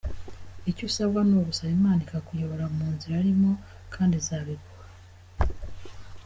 Icyo usabwa ni ugusaba Imana ikakuyobora mu nzira arimo kandi izabiguha.